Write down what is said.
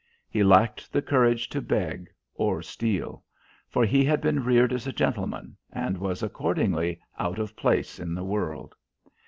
He lacked the courage to beg or steal. For he had been reared as a gentleman, and was accordingly out of place in the world.